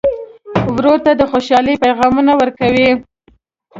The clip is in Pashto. ورور ته د خوشحالۍ پیغامونه ورکوې.